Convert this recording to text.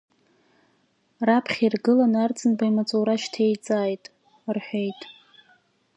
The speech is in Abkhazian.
Раԥхьа иргыланы Арӡынба имаҵура шьҭеиҵааит, — рҳәеит.